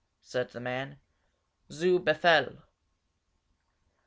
said the man. "Zu befehl!"